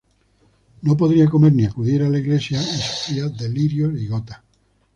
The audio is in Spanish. No podía comer ni acudir a la iglesia, y sufría delirios y gota.